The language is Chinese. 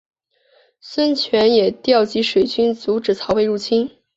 孙权也调集水军阻止曹魏入侵。